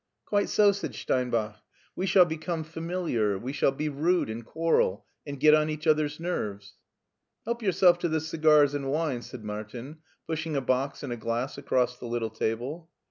" Quite so,'* said Steinbach ;" we shall become f ami io6 MARTIN SCHt)LER liar, we shall be rude and quarrel and get on each other's nerves/* " Help yourself to the cigars and wine," said Mar tin, pushing a box and a glass across the little table.